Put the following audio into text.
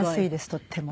とっても。